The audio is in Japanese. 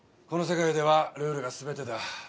この世界ではルールが全てだ。